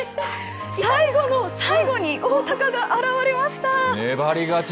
最後の最後にオオタカが現れました。